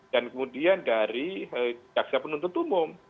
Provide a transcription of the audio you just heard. dan kemudian dari jaksa penuntut umum